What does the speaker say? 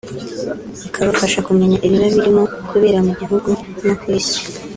bikabafasha kumenya ibiba birimo kubera mu gihugu no ku isi